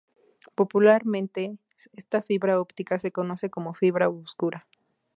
Popularmente esta fibra óptica se conoce como fibra oscura.